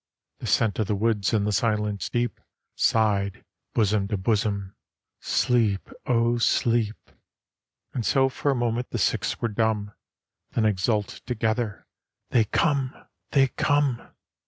The Scent of the Woods and the Silence deep Sighed, bosom to bosom, "Sleep, oh, sleep!" And so for a moment the six were dumb, Then exulted together, "They come, they come!"